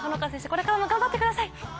これからも頑張ってください。